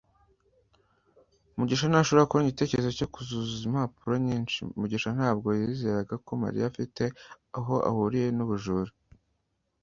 mugisha ntashobora kubona igitekerezo cyo kuzuza impapuro nyinshi. mugisha ntabwo yizeraga ko mariya afite aho ahuriye n'ubujura